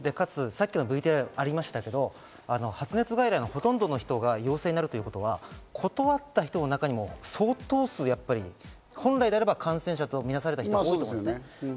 さっきのＶＴＲにもありましたけど、発熱外来はほとんどの方が陽性になるということは、断った人の中にも相当数やっぱり本来であれば感染者とみなされる方もいますよね。